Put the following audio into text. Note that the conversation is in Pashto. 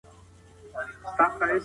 دا ناځوانه نور له كاره دى لوېــدلى